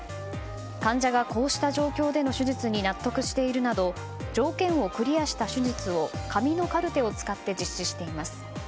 患者がこうした状況での手術に納得しているなど条件をクリアした手術を紙のカルテを使って実施しています。